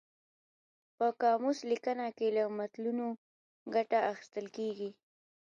په قاموس لیکنه کې له متلونو ګټه اخیستل کیږي